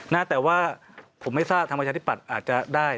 น่าแต่ว่าผมไม่ทราบทำประชาที่ปัดอาจจะได้